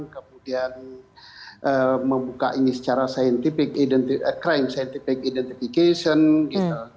kemudian membuka ini secara crime scientific identification gitu